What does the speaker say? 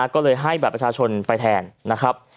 ก็เลยให้บัตรประชาชนไปแทนนะครับ